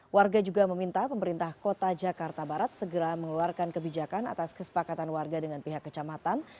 warga juga meminta pemerintah kota jakarta barat segera mengeluarkan kebijakan atas kesepakatan warga dengan pihak kecamatan